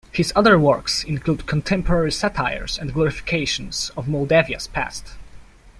His other works include contemporary satires and glorifications of Moldavia's past.